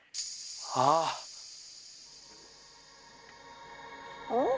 ああ！